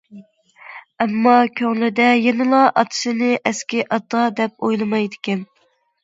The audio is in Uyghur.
ئەمما كۆڭلىدە يەنىلا ئاتىسىنى ئەسكى ئاتا دەپ ئويلىمايدىكەن.